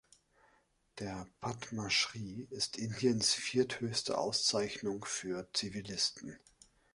Der Padma Shri ist Indiens vierthöchste Auszeichnung für Zivilisten.